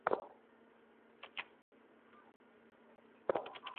তিনি হাদিছা শহরে এক বই সংগ্রাহক মুহাম্মাদ ইবনে আল-হুসেনের সাথে সাক্ষাৎ করেন।